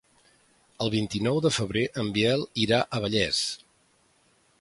El vint-i-nou de febrer en Biel irà a Vallés.